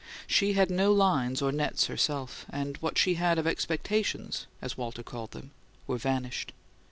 She had set no lines or nets herself, and what she had of "expectations," as Walter called them, were vanished.